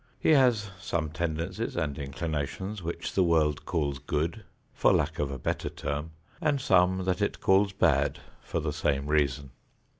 He has some tendencies and inclinations which the world calls good for lack of a better term, and some that it calls bad for the same reason.